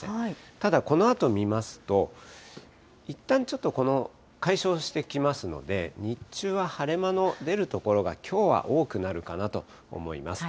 ただ、このあと見ますと、いったんちょっとこの解消してきますので、日中は晴れ間の出る所が、きょうは多くなるかなと思います。